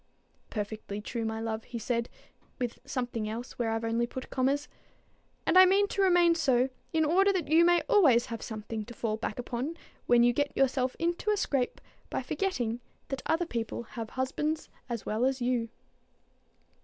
"Perfectly true, my love," he said, with something else where I've only put commas; "and I mean to remain so, in order that you may always have something to fall back upon when you get yourself into a scrape by forgetting that other people have husbands as well as you."